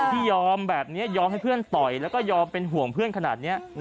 ที่ยอมแบบนี้ยอมให้เพื่อนต่อยแล้วก็ยอมเป็นห่วงเพื่อนขนาดนี้